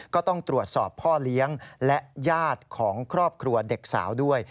ก็ต้องตรวจสอบพ่อเลี้ยงและญาติของครอบครัวเด็กสาวด้วย